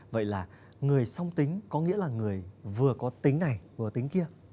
vậy là người song tính có nghĩa là người vừa có tính này vừa tính kia